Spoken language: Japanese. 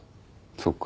そっか。